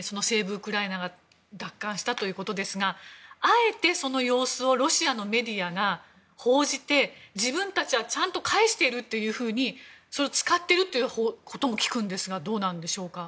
・ウクライナが奪還したということですがあえて、その様子をロシアのメディアが報じて自分たちはちゃんと返しているというふうに使っているということも聞きますが、どうですか？